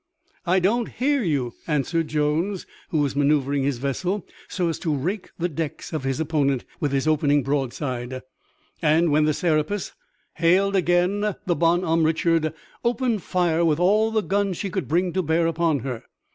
"I don't hear you," answered Jones, who was maneuvering his vessel so as to rake the decks of his opponent with his opening broadside, and when the Serapis hailed again the Bonhomme Richard opened fire with all the guns she could bring to bear upon her.